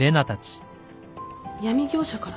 闇業者から？